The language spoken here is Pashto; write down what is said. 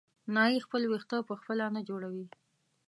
نایي خپل وېښته په خپله نه جوړوي.